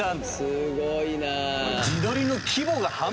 すごいなぁ。